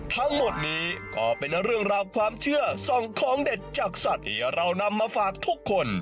ทั้งหมดนี้ก็เป็นเรื่องราวความเชื่อส่องของเด็ดจากสัตว์ที่เรานำมาฝากทุกคน